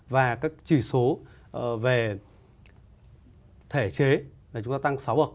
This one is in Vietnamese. và các chỉ số về thể chế chúng ta tăng sáu bậc